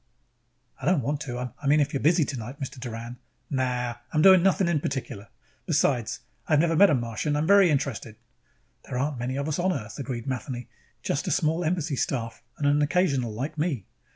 "I don't want to I mean if you're busy tonight, Mr. Doran " "Nah. I am not doing one thing in particular. Besides, I have never met a Martian. I am very interested." "There aren't many of us on Earth," agreed Matheny. "Just a small embassy staff and an occasional like me."